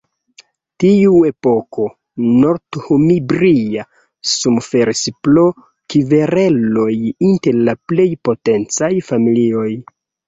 Tiuepoke Northumbria suferis pro kvereloj inter la plej potencaj familioj.